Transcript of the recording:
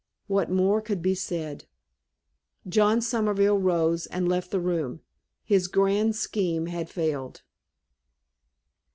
What more could be said? John Somerville rose, and left the room. His grand scheme had failed.